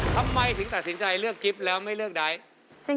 ทำไมถึงตัดสินใจเลือกกิฟต์แล้วไม่เลือกใด